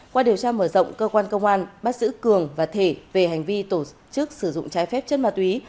qua điều tra mở rộng cơ quan công an bắt giữ cường và thể về hành vi tổ chức sử dụng trái phép chất ma túy